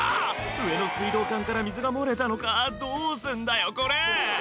「上の水道管から水が漏れたのかどうすんだよこれ」